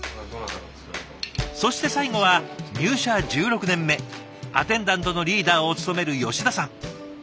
そして最後は入社１６年目アテンダントのリーダーを務める吉田さん。